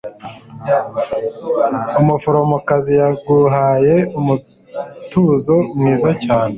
Umuforomokazi yaguhaye umutuzo mwiza cyane